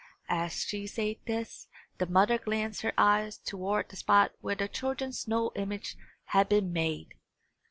As she said this, the mother glanced her eyes toward the spot where the children's snow image had been made.